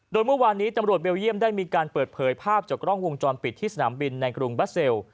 โดยเมื่อวานนี้ตำรวจเบลเยี่ยมได้มีการเปิดเผยภาพจากกล้องวงจรปิดที่สนามบินในกรุงบัสเซล